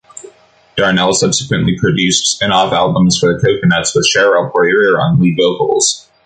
Darnell subsequently produced spin-off albums for the Coconuts with Cheryl Poirier on lead vocals.